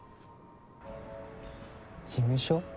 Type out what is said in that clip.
事務所？